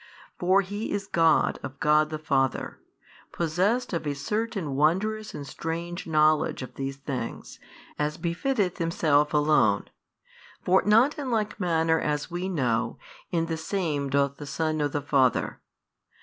For He is God of God the Father, possessed of a certain wondrous and strange knowledge of these things, as befitteth Himself Alone. For not in like manner as we know, in the same doth the Son know the Father.